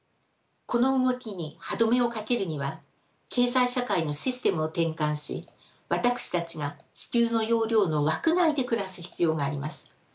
この動きに歯止めをかけるには経済社会のシステムを転換し私たちが地球の容量の枠内で暮らす必要があります。